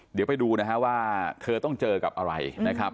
เดี๋ยวไปดูนะฮะว่าเธอต้องเจอกับอะไรนะครับ